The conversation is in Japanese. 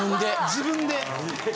自分で。